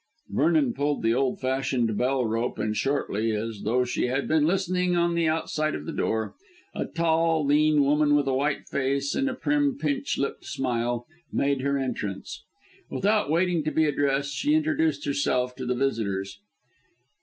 Vernon pulled the old fashioned bell rope and shortly as though she had been listening on the outside of the door a tall, lean woman with a white face and a prim, pinch lipped smile, made her appearance. Without waiting to be addressed she introduced herself to the visitors.